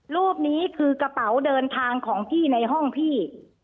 รูปนี้คือกระเป๋าเดินทางของพี่ในห้องพี่